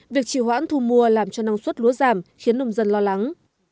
việc trì hoãn thu mua làm cho năng suất lúa giảm khiến nông dân lo lắng